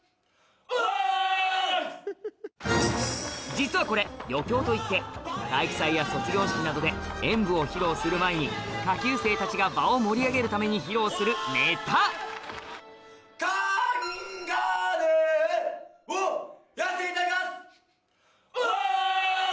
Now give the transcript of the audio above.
実はこれ余興といって体育祭や卒業式などで演舞を披露する前に下級生たちが場を盛り上げるために披露するネタ「カンガルー」をやらせていただきます！